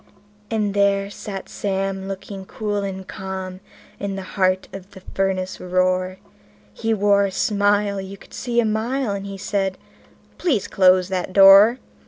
And there sat Sam, looking cool and calm, in the heart of the furnace roar; And he wore a smile you could see a mile, and he said: "Please close that door.